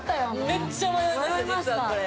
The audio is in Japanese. めっちゃ迷いました実はこれ。